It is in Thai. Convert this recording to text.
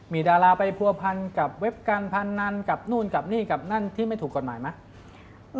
มีดาราไปผัวพันกับเว็บการพนันกับนู่นกับนี่กับนั่นที่ไม่ถูกกฎหมายไหม